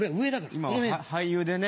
今は俳優でね。